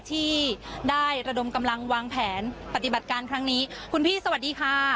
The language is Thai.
ที่ได้ระดมกำลังวางแผนปฏิบัติการครั้งนี้คุณพี่สวัสดีค่ะ